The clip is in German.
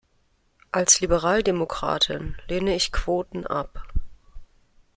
Als Liberaldemokratin lehne ich Quoten ab.